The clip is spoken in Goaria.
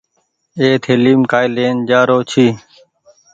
اي ٿليم ڪآئي لين جآرو ڇي۔